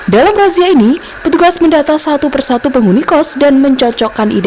dalam razia ini petugas mendata satu persatu penghuni kos dan mencocokkan ide